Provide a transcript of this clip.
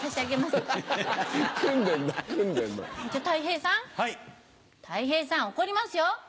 たい平さん怒りますよ。